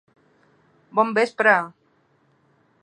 Bon vespre